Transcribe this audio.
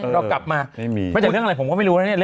เรากลับมาไม่มีเรื่องอะไรผมก็ไม่รู้นะเนี่ย